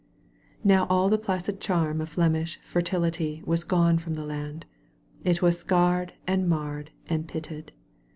Now all the placid charm of Flemish fer tility was gone from the land — ^it was scarred and marred and pitted.